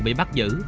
bị bắt giữ